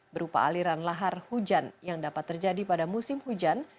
berupa aliran lahar hujan yang dapat terjadi pada musim hujan